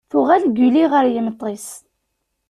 Tuɣal Guli ɣer yimeṭṭi-s.